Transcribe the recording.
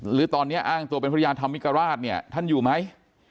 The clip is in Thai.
หรือตอนนี้อ้างตัวเป็นภรรยาธรรมิกราชเนี่ยท่านอยู่ไหม